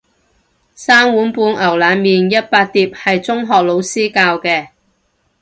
三碗半牛腩麵一百碟係中學老師教嘅